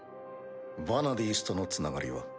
ヴァナディースとのつながりは？